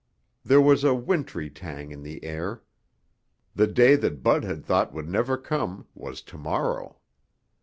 There was a wintry tang in the air. The day that Bud had thought would never come was tomorrow.